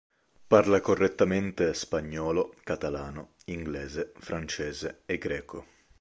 Parla correntemente spagnolo, catalano, inglese, francese e greco.